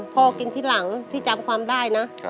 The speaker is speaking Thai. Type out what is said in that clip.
กินที่หลังพี่จำความได้นะ